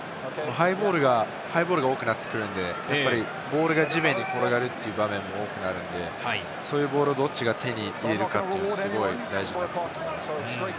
ハイボールが多くなってくるんで、ボールが地面に転がるという場面も多くなるので、そういうボールをどっちが手に入れるかというのもすごい大事になってきます。